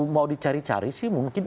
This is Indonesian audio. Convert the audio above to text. mau dicari cari sih mungkin